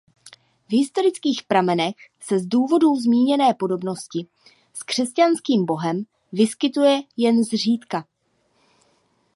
V historických pramenech se z důvodů zmíněné podobnosti s křesťanským Bohem vyskytuje jen zřídka.